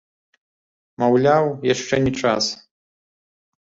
Маўляў, яшчэ не час.